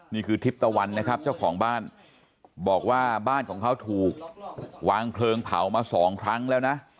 นี่คือทิพย์ตะวันนะครับเจ้าของบ้านบอกว่าบ้านของเขาถูกวางเพลิงเผามาสองครั้งแล้วนะ